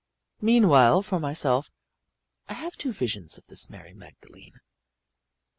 Meanwhile, for myself, I have two visions of this Mary Magdalene.